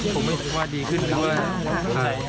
ผมไม่รู้ว่าดีขึ้นหรือว่าอะไร